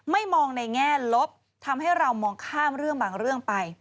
มองในแง่ลบทำให้เรามองข้ามเรื่องบางเรื่องไป